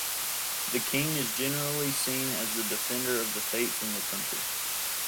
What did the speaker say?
The king is generally seen as the defender of the faith in the country.